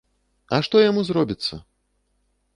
А што яму зробіцца?